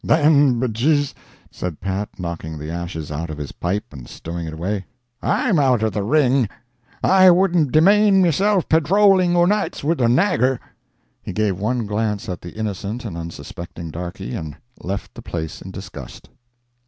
"Then, be J s," said Pat, knocking the ashes out of his pipe and stowing it away, "I'm out of the ring; I wouldn't demane mesilf padrowling o'nights with a nagur." He gave one glance at the innocent and unsuspecting darkey, and left the place in disgust.